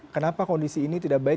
kenapa kondisi ini tidak baik